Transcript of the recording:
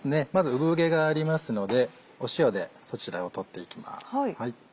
産毛がありますので塩でそちらを取っていきます。